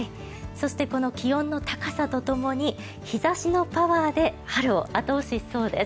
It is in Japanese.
そして、この気温の高さとともに日差しのパワーで春を後押ししそうです。